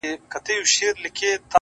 خدايه سندرو کي مي ژوند ونغاړه ـ